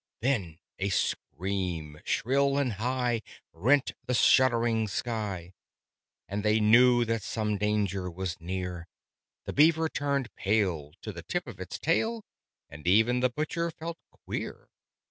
Then a scream, shrill and high, rent the shuddering sky, And they knew that some danger was near: The Beaver turned pale to the tip of its tail, And even the Butcher felt queer.